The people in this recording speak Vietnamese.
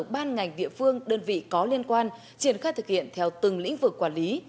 ban ngành địa phương đơn vị có liên quan triển khai thực hiện theo từng lĩnh vực quản lý